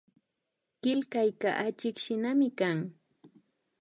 Killkayka achikshinami kan